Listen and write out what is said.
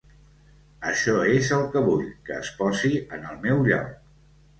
Això és el que vull, que es posi en el meu lloc.